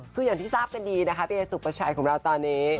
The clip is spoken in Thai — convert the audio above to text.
คืออย่างที่ทราบกันดีนะคะพี่เอสุประชัยของเราตอนนี้